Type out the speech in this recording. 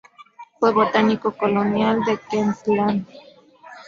Fue Botánico colonial de Queensland.